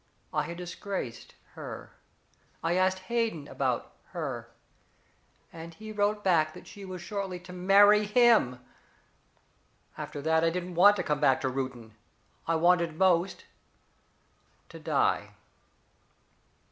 I had disgraced her. I asked Hayden about her, and he wrote back that she was shortly to marry him. After that I didn't want to come back to Reuton. I wanted most to die.